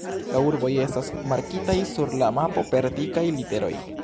La urboj estas markitaj sur la mapo per dikaj literoj.